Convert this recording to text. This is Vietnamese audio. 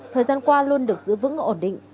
thời gian qua luôn được giữ vững ổn định